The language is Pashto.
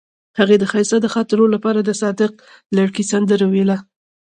هغې د ښایسته خاطرو لپاره د صادق لرګی سندره ویله.